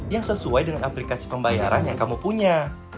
yang sesuai dengan aplikasi pembayaran yang kamu punya